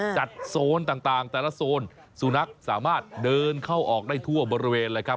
โซนต่างแต่ละโซนสุนัขสามารถเดินเข้าออกได้ทั่วบริเวณเลยครับ